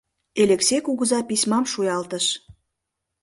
Элексей кугыза письмам шуялтыш.